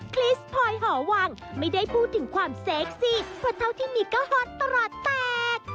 คริสพลอยหอวังไม่ได้พูดถึงความเซ็กสิเพราะเท่าที่มีก็ฮอตตลอดแตก